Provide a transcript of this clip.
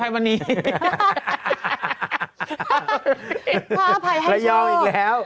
พระอภัยค่ะระยองอีกแล้ว